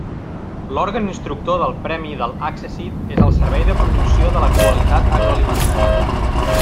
L'òrgan instructor del premi i de l'accèssit és el Servei de Promoció de la Qualitat Agroalimentària.